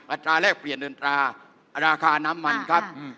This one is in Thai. ตราแลกเปลี่ยนเงินตราราคาน้ำมันครับ